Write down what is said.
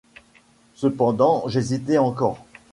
Cependant j’hésitais encore.